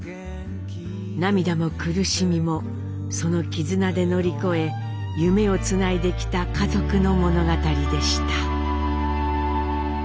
涙も苦しみもその絆で乗り越え夢をつないできた家族の物語でした。